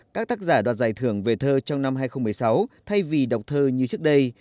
các tác giả đoạt giải thưởng về thơ trong năm hai nghìn một mươi sáu thay vì đọc thơ như trước đây